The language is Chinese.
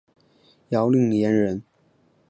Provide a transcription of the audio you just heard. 姚令言人。